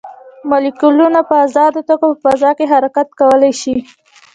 مالیکولونه په ازاده توګه په فضا کې حرکت کولی شي.